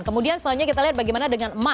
kemudian selanjutnya kita lihat bagaimana